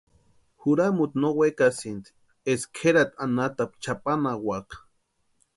Juramuti no wekasïnti eska kʼerati anhatapu chʼapanhawaka.